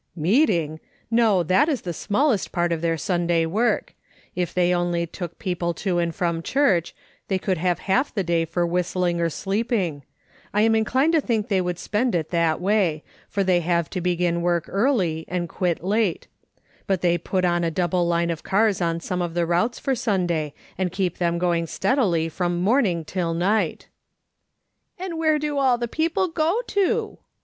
" Meeting ! No, that is the smallest part of their Sunday work ; if they only took people to and from church, they could have half the day for whistling or sleeping ; I am inclined to think they would spend it that way ; for they have to begin work early and quit late ; but they put on a double line of cars on some of the routes for Sunday, and keep them going steadily from morning till night." " And where do all the people go to